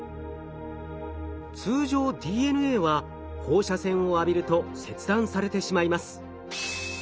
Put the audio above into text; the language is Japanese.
通常ＤＮＡは放射線を浴びると切断されてしまいます。